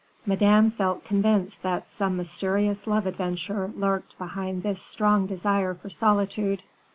'" Madame felt convinced that some mysterious love adventure lurked behind this strong desire for solitude.